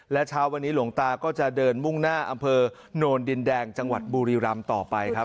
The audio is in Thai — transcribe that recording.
และเช้าวันนี้หลวงตาก็จะเดินมุ่งหน้าอำเภอโนนดินแดงจังหวัดบุรีรำต่อไปครับ